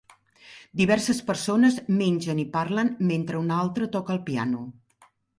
Diverses persones mengen i parlen mentre una altra toca el piano.